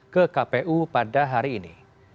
ke kpu pada hari ini